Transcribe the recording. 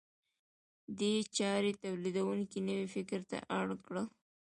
دې چارې تولیدونکي نوي فکر ته اړ کړل.